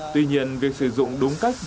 tuy nhiên việc sử dụng đúng cách